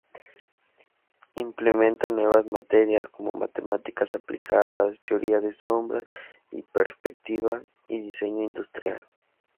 Implementa nuevas materias como matemáticas aplicadas, teoría de sombras y perspectiva, y diseño industrial.